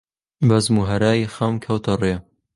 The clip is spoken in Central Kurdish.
بەزم و هەرای خەم کەوتە ڕێ